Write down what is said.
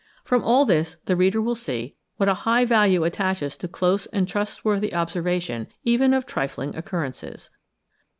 From all this the reader will see what a high value attaches to close and trustworthy observation even of trifling occurrences.